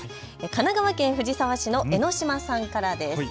神奈川県藤沢市のエノシマさんからです。